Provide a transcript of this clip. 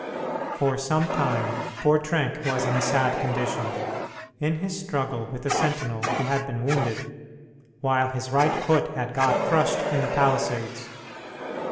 For some time poor Trenck was in a sad condition. In his struggle with the sentinel he had been wounded, while his right foot had got crushed in the palisades.